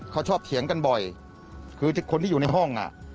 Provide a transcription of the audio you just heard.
เขาชอบเถียงกันบ่อยคือคนที่อยู่ในห้องอ่ะ